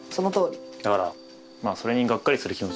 だから。